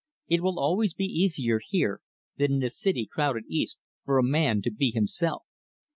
It will always be easier, here, than in the city crowded East, for a man to be himself.